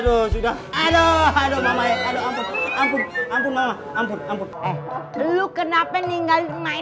aduh sudah aduh aduh mama ampun ampun ampun ampun ampun lu kenapa nih ngalir my